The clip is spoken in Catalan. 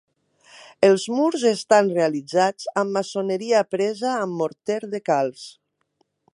Els murs estan realitzats amb maçoneria presa amb morter de calç.